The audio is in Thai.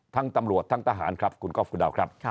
ทั้งตำรวจทั้งทหารครับคุณก๊อฟคุณดาวครับ